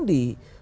di jawa barat